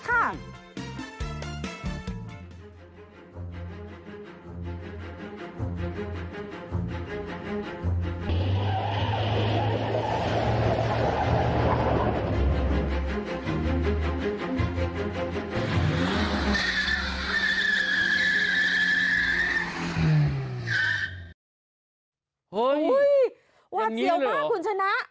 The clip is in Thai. อย่างเนี้ยสิหรอวัดเสี่ยวมากคุณชนะ